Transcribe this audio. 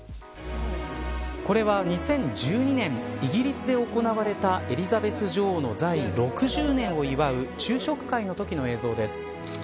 これは２０１２年に、イギリスで行われたエリザベス女王の在位６０年を祝う昼食会のときの映像です。